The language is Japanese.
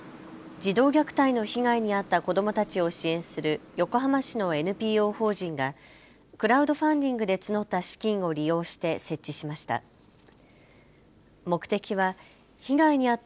児童虐待の被害に遭った子どもたちを支援する横浜市のＮＰＯ法人がクラウドファンディングで募った資金を利用して設置しました。